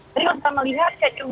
jadi kita melihat